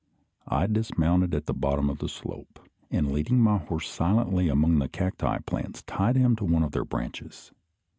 I dismounted at the bottom of the slope, and leading my horse silently up among the cacti plants, tied him to one of their branches.